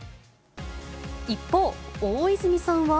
一方、大泉さんは。